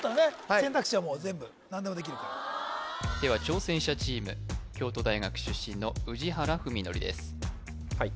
選択肢はもう全部何でもできるからでは挑戦者チーム京都大学出身の宇治原史規ですはい